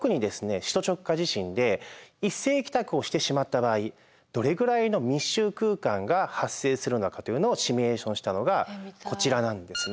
首都直下地震で一斉帰宅をしてしまった場合どれぐらいの密集空間が発生するのかというのをシミュレーションしたのがこちらなんですね。